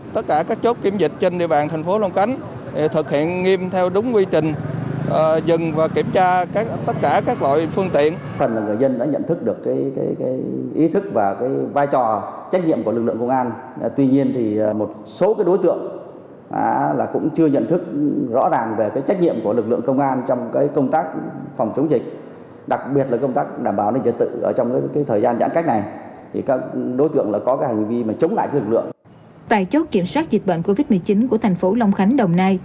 tại chốt kiểm soát dịch bệnh covid một mươi chín của thành phố long khánh đồng nai